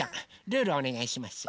ルールおねがいします。